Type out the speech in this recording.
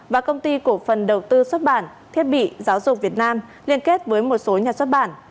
và công ty cổ phần đầu tư xuất bản thiết bị giáo dục việt nam liên kết với một số nhà xuất bản